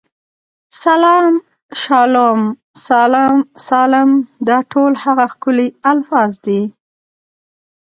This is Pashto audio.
سلام، شالوم، سالم، دا ټول هغه ښکلي الفاظ دي.